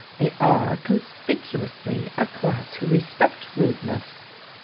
They are, conspicuously, a class who respect rude ness.